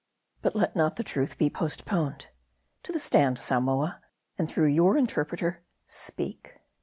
But let not the truth be postponed. To the stand, Samoa, and through your interpreter, speak.